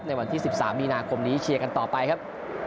ในวันที่๑๓มีนาคมนี้เชียร์กันต่อไปครับ